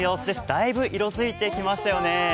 大分色づいてきましたよね。